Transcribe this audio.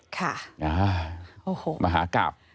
ค่ะโอ้โหมหากราบ